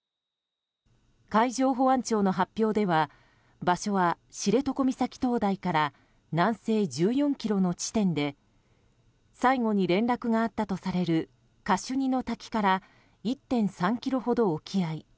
海上保安庁の発表では場所は知床岬灯台から南西１４ｋｍの地点で最後に連絡があったとされるカシュニの滝から１．３ｋｍほど沖合。